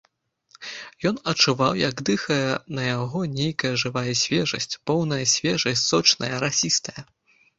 Ён адчуваў, як дыхае на яго нейкая жывая свежасць, поўная свежасць, сочная, расістая.